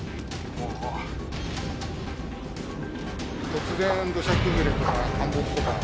突然土砂崩れとか陥没とか。